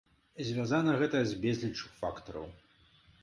Звязана гэта з безліччу фактараў.